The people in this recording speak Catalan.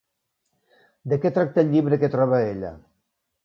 De què tracta el llibre que troba ella?